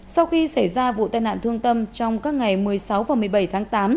sau khi xảy ra vụ tai nạn thương tâm trong các ngày một mươi sáu và một mươi bảy tháng tám